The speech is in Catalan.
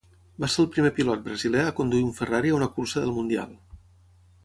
Va ser el primer pilot brasiler a conduir un Ferrari a una cursa del mundial.